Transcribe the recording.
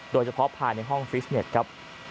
โดยเฉพาะภายในห้องฟิสเน็ตครับ